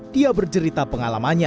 dia bercerita pengalamannya